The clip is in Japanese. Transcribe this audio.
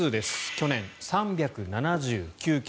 去年、３７９件。